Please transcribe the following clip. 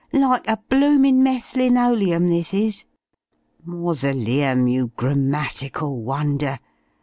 Like a blooming messlinoleum this is!" "Mausoleum, you grammatical wonder!"